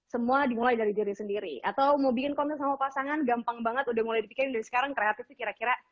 semua dimulai dari diri sendiri atau mau bikin konten sama pasangan gampang banget udah mulai dipikirin dari sekarang kreatif sih kira kira